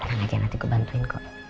ya tenang aja nanti gue bantuin kok